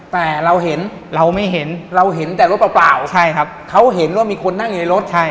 เขาเห็นว่ามีคนนั่งอยู่ในรถ